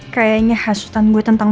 kayaknya hasutan gue tentang